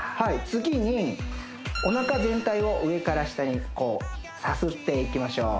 次にお腹全体を上から下にこうさすっていきましょう